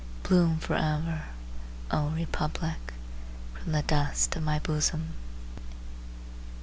Bloom forever, O Republic, From the dust of my bosom!